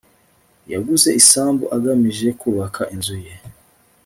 yaguze isambu agamije kubaka inzu ye